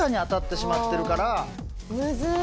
むずい！